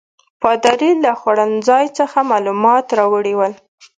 پادري له خوړنځای څخه معلومات راوړي ول.